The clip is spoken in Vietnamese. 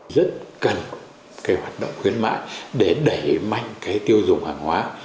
rất cần cái hoạt động khuyến mại để đẩy mạnh cái tiêu dùng hàng hóa